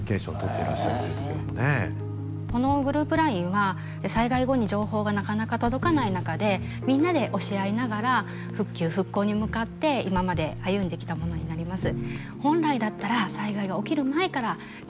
ＬＩＮＥは災害後に情報がなかなか届かない中でみんなで教え合いながら復旧・復興に向かって今まで歩んできたものになります。